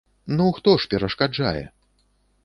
Ну хто ж перашкаджае?